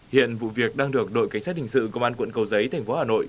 hiện vụ việc đang được đội cánh sát hình sự công an quận cầu giấy tp hà nội